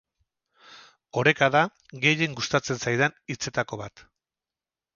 Oreka da gehien gustatzen zaidan hitzetako bat.